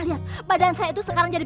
lihat badan saya itu sekarang jadi